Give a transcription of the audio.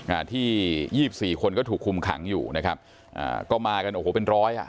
อ่าที่ยี่สิบสี่คนก็ถูกคุมขังอยู่นะครับอ่าก็มากันโอ้โหเป็นร้อยอ่ะ